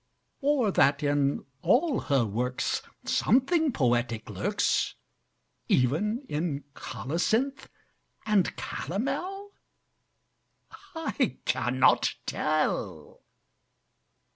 Or that in all her works Something poetic lurks, Even in colocynth and calomel? I cannot tell.